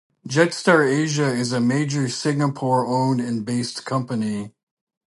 Jetstar Asia is a majority Singapore-owned and -based company.